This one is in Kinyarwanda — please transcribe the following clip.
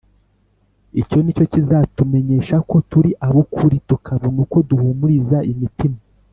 Icyo ni cyo kizatumenyesha ko turi ab’ukuri, tukabona uko duhumuriza imitima